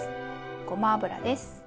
ごま油です。